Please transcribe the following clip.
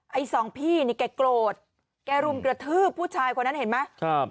ไอ้สองพี่นี่แกโกรธแกรุมกระทืบผู้ชายคนนั้นเห็นไหมครับ